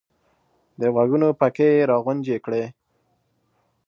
د غوږونو پکې یې را غونجې کړې !